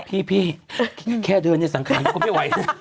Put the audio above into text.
พี่แค่เดินในสังขารก็ไม่ไหว